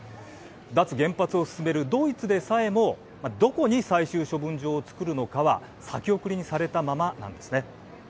脱原発を進めるドイツでさえもどこに最終処分場をつくるのかは先送りにされたままなんですね。